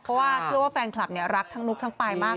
เพราะว่าเชื่อว่าแฟนคลับรักทั้งนุ๊กทั้งปลายมาก